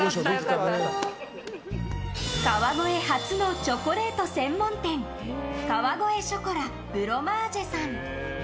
川越初のチョコレート専門店川越ショコラブロマージェさん。